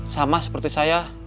sama seperti saya